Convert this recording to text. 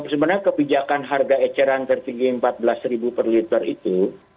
sebenarnya kebijakan harga eceran tertinggi rp empat belas per liter itu